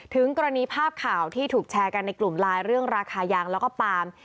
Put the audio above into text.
ถึงกรณีภาพข่าวที่ถูกแชร์กันในกลุ่มไลน์เรื่องราคายางแล้วก็ปาล์ม